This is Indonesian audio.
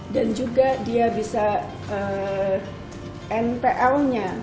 dan juga dia bisa npl nya